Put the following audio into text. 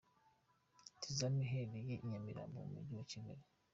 Tizama iherereye i Nyamirambo mu mujyi wa Kigali.